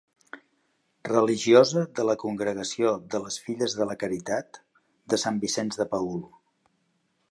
Religiosa de la congregació de les Filles de la Caritat de Sant Vicenç de Paül.